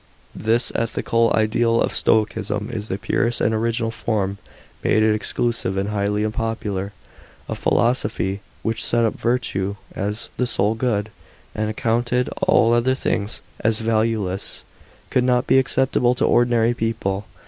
§ 7. This ethical ideal of Stoicism, in its purest and original form made it exclusive and highly unpopular. A philosophy, which set up virtue as the sole good, and accounted all other things as valueless, could not be acceptable to ordinary people.